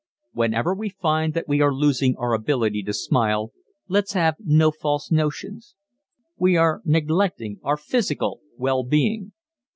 Whenever we find that we are losing our ability to smile let's have no false notions. We are neglecting our physical well being.